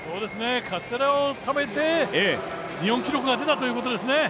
カステラを食べて日本記録が出たということですね。